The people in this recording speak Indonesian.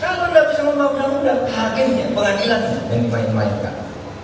kalau gak bisa membuat perubahan mudah mudahan ke akhirnya pengadilan yang dimain mainkan